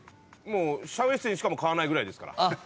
もうシャウエッセンしか買わないぐらいですから。